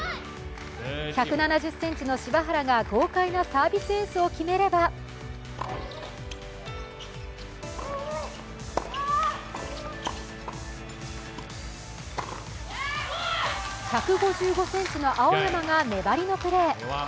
１７０ｃｍの柴原が豪快なサービスエースを決めれば１５５ｃｍの青山が粘りのプレー。